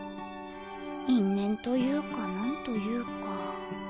因縁というか何と言うか。